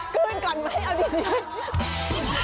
ขึ้นก่อนไว้เอาดี